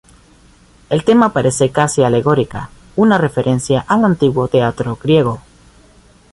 El tema parece casi alegórica, una referencia al antiguo teatro griego.